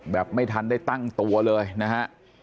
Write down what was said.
แบบไม่ทันได้ตั้งตัวเลยนะฮะ